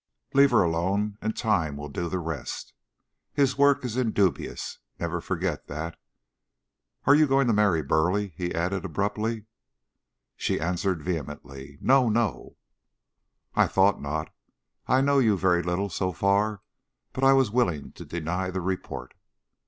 Leave her alone and Time will do the rest. His work is indubious; never forget that. Are you going to marry Burleigh?" he added abruptly. She answered vehemently, "No! No!" "I thought not. I know you very little, so far, but I was willing to deny the report."